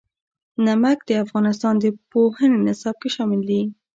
نمک د افغانستان د پوهنې نصاب کې شامل دي.